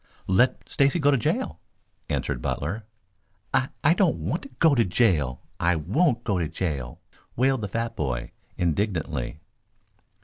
"Let Stacy go to jail," answered Butler. "I I don't want to go to jail. I won't go to jail," wailed the fat boy indignantly.